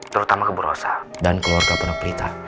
terutama ke bu rosa dan keluarga pendok pelita